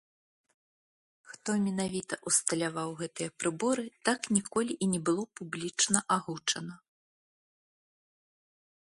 Хто менавіта ўсталяваў гэтыя прыборы, так ніколі і не было публічна агучана.